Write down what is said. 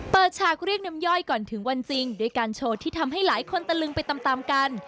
ฉากเรียกน้ำย่อยก่อนถึงวันจริงด้วยการโชว์ที่ทำให้หลายคนตะลึงไปตามกัน